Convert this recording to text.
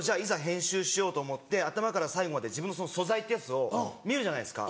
編集しようと思って頭から最後まで自分のその素材ってやつを見るじゃないですか。